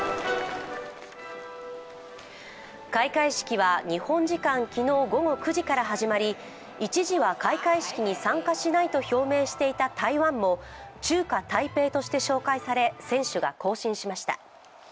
開会式は日本時間昨日午後９時から始まり一時は開会式に参加しないと表明していた台湾も中華台北として紹介され選手が行進しました。